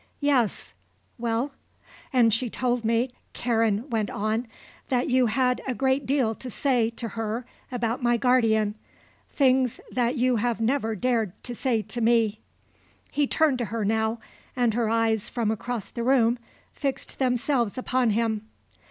"Yes. Well?" "And she told me," Karen went on, "that you had a great deal to say to her about my guardian things that you have never dared to say to me." He turned to her now and her eyes from across the room fixed themselves upon him.